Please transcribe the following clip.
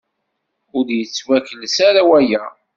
Ur d-yettwakles ara waya.